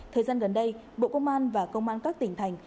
thời gian gần đây bộ công an và công an các tỉnh thành